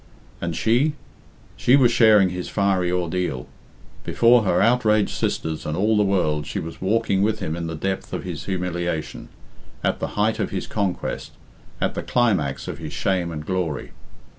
And she? She was sharing his fiery ordeal. Before her outraged sisters and all the world she was walking with him in the depth of his humiliation, at the height of his conquest, at the climax of his shame and glory.